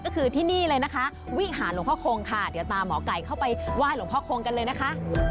ก็คือที่นี่เลยนะคะวิหารหลวงพ่อคงค่ะเดี๋ยวตามหมอไก่เข้าไปไหว้หลวงพ่อคงกันเลยนะคะ